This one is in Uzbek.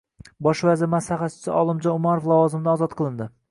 Bosh vazir maslahatchisi Olimjon Umarov lavozimidan ozod qilindi